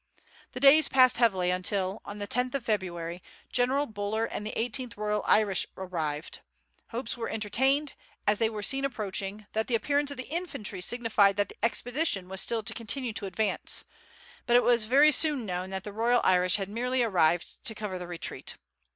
The days passed heavily until, on the 10th of February, General Buller and the 18th Royal Irish arrived; hopes were entertained, as they were seen approaching, that the appearance of the infantry signified that the expedition was still to continue to advance; but it was very soon known that the Royal Irish had merely arrived to cover the retreat.